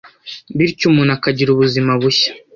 bityo umuntu akagira ubuzima bushya.